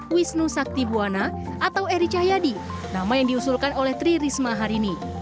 wisnu saktibuana atau erick cahyadi nama yang diusulkan oleh tri risma harini